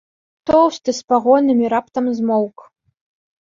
Тоўсты з пагонамі раптам змоўк.